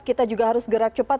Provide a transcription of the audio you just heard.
kita juga harus gerak cepat